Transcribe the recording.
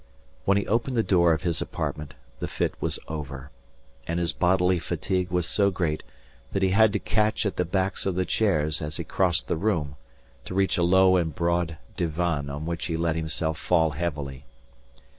When he opened the door of his apartment the fit was over, and his bodily fatigue was so great that he had to catch at the backs of the chairs as he crossed the room to reach a low and broad divan on which he let himself fall heavily.